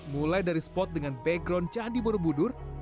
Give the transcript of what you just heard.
mulai dari spot dengan background candi borobudur